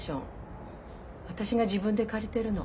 私が自分で借りてるの。